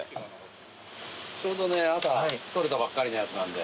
ちょうど朝捕れたばっかりのやつなんで。